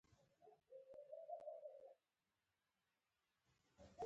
هلته یو پیرودونکی خپل سامان هېر کړ.